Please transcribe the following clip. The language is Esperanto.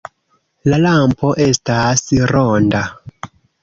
La lampo estas ronda.